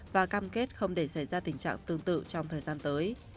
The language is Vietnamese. và cam kết không để xảy ra tình trạng tương tự trong thời gian tới